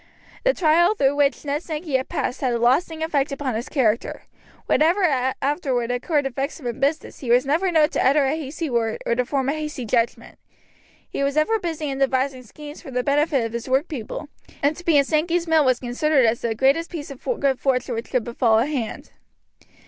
The trial through which Ned Sankey had passed had a lasting effect upon his character. Whatever afterward occurred to vex him in business he was never known to utter a hasty word, or to form a hasty judgment. He was ever busy in devising schemes for the benefit of his workpeople, and to be in Sankey's mill was considered as the greatest piece of good fortune which could befall a hand.